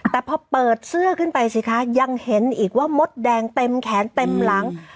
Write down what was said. แต่พอเปิดเสื้อขึ้นไปสิคะยังเห็นอีกว่ามดแดงเต็มแขนเต็มหลัง